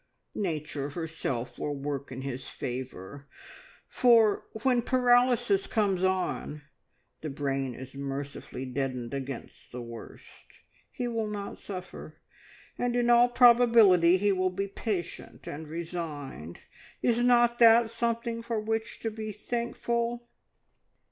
Nature herself will work in his favour, for, when paralysis comes, on the brain is mercifully deadened against the worst. He will not suffer, and in all probability he will be patient and resigned. Is not that something for which to be thankful?"